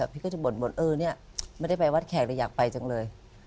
พี่ก็จะบ่นเออเนี่ยไม่ได้ไปวัดแขกเลยอยากไปจังเลย